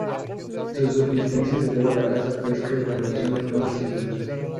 Su subsistencia se debe a la caza, pesca y recolección de plantas silvestres.